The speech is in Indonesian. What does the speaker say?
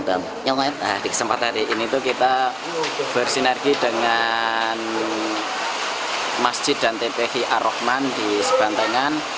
di kesempatan hari ini kita bersinergi dengan masjid dan tph ar rahman di sebantengan